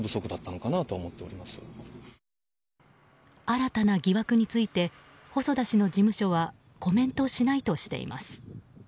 新たな疑惑について細田氏の事務所はコメントしないとしています。